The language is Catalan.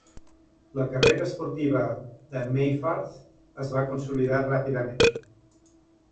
La carrera esportiva de Meyfarth es va consolidar ràpidament.